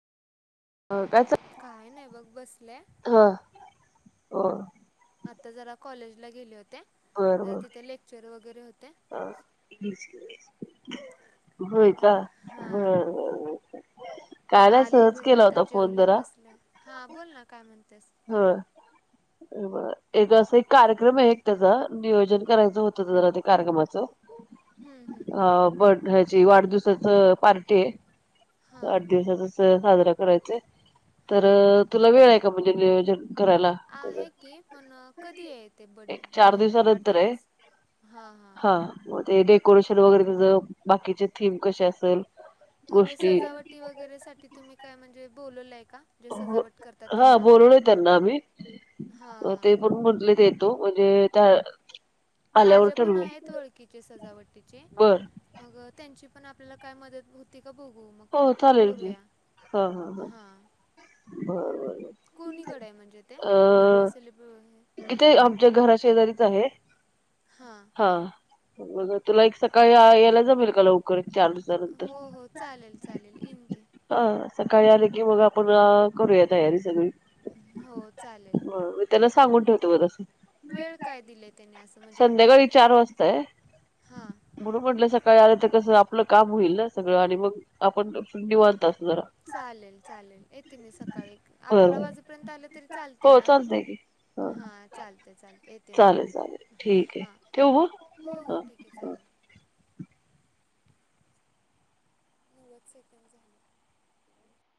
काय नाही बघ, बसले. हो आता जरा कॉलेजला गेले होते. तर तिथे लेक्चर वगैरे होते. ह, होय का? ह ह ह [inaudible] मग आले घरी आता जेवले, बसले, हा बोल ना काय म्हणते. हा, बर. एक अस एक कार्यक्रम आहे एक त्याचा नियोजन करायच होत जरा त्या कार्यक्रमाच अ बर्थह्याची, वाढदिवसाचच पार्टी आहे वाढदिवसाचा साजरा करायच. तर तुला वेळ आहे का नियोजन करायला. प कधी आहे ते पण वाढदिवस? हा ह, मग ते सजावटी वगैरे सा तुम्ही काय म्हणजे [unintelligible] सजावट करतात त्यांना, हा हा म्हणून म्हटलं ये तु, म्हणजे त्या, आल्यावर ठरवू, बरं त्यांची पण आपल्याला काय मदत होते. हो चालेल ती हा ह ह बरर कोणीकडे आहे म्हणजे ते बडडे सेलब्रे किथे आमच्या घरा शेजारीच आहे. हा मग तुला एक सकाळी यायला जमेल का लवकर चार दिसा नंतर हा सकाळी आले कि मग आपण करूया तयारी सग होना. सांगून ठेवतो म तस संध्याकाळी चार वाजताय म्हणून म्हटलं सकाळी आलं तर कस आपलं काम होईल ना सगळं आणि मग आपण चालेल चालेल येते मी सकाळी अकरा वाजेपर्यंत आल तरी चालतय ना हा चालते चालते येते मग, हा हो हो ठीक आहे चालेल. नव्वद सेकंद झाले.